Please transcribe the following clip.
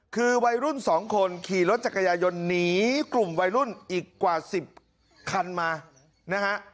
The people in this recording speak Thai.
คือวัยรุ่น๒คนขี่รถจักรยายนต์หนีกลุ่มวัยรุ่นอีกกว่า๑๐คันมานะฮะ